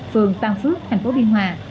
phường tam phước thành phố biên hòa